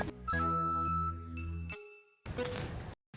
iya pak ustadz